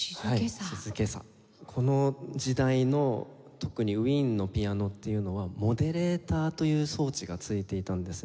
この時代の特にウィーンのピアノっていうのはモデレーターという装置がついていたんですね。